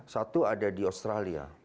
satu ada di australia